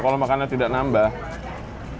kalau makannya tidak nambah